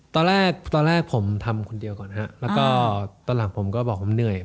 ตอนแรกตอนแรกผมทำคนเดียวก่อนฮะแล้วก็ตอนหลังผมก็บอกผมเหนื่อย